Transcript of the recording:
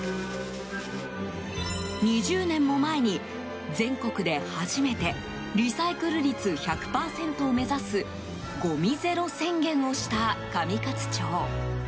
２０年も前に、全国で初めてリサイクル率１００％を目指すごみゼロ宣言をした上勝町。